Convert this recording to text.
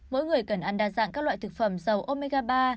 mỗi người cần ăn đa dạng các loại thực phẩm dầu omega ba